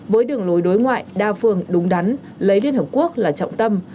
với đường lối đối ngoại đa phương đúng đắn lấy liên hợp quốc là trọng tâm